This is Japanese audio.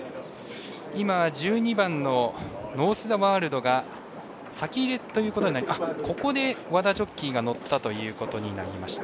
１２番ノースザワールドが先入れということにここで和田ジョッキーが乗ったということになりました。